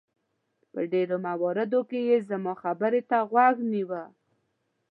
په ډېرو مواردو کې یې زما خبرې ته غوږ نیوه.